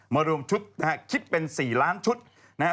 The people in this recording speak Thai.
รวมชุดนะฮะคิดเป็น๔ล้านชุดนะฮะ